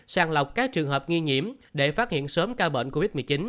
sàng lọc các trường hợp nghi nhiễm để phát hiện sớm ca bệnh covid một mươi chín